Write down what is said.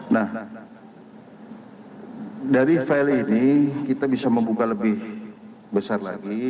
nah dari file ini kita bisa membuka lebih besar lagi